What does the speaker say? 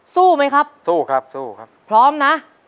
สู้ไหมครับสู้ครับสู้ครับพร้อมนะ